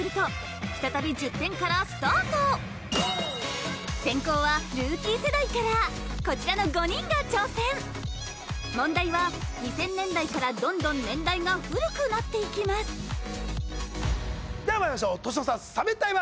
しかし先攻はルーキー世代からこちらの５人が挑戦問題は２０００年代からどんどん年代が古くなっていきますではまいりましょう年の差積み上げたもの